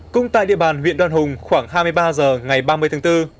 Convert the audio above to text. cũng tại địa bàn huyện đoan hùng khoảng hai mươi ba h ngày ba mươi tháng bốn